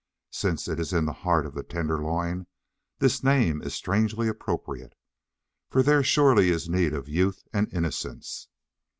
Since it is in the heart of the Tenderloin, this name is strangely appropriate for there surely is need of youth and innocence.